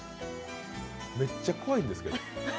めっちゃこわいんですけど。